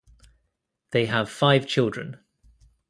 They have five children.